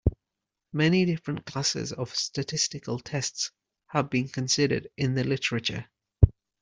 Many different classes of statistical tests have been considered in the literature.